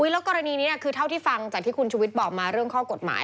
แล้วกรณีนี้คือเท่าที่ฟังจากที่คุณชุวิตบอกมาเรื่องข้อกฎหมาย